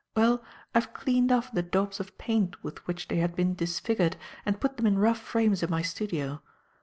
Well, I have cleaned off the daubs of paint with which they had been disfigured and put them in rough frames in my studio.